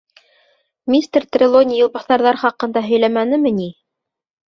Мистер Трелони юлбаҫарҙар хаҡында һөйләмәнеме ни?